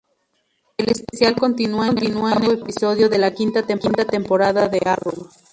El especial continúa en el octavo episodio de la quinta temporada de Arrow.